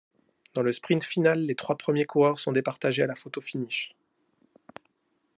Dans le sprint final les trois premiers coureurs sont départagés à la photo finish.